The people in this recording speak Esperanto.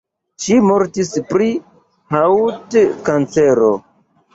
Ŝi mortis pri haŭt-kancero.